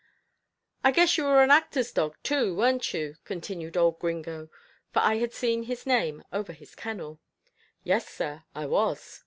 "I guess you were an actor's dog too, weren't you?" continued old Gringo, for I had seen his name over his kennel. "Yes, sir, I was."